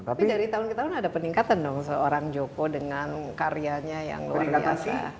tapi dari tahun ke tahun ada peningkatan dong seorang joko dengan karyanya yang luar biasa